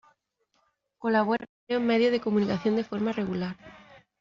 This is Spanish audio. Colabora en varios medios de comunicación de forma regular.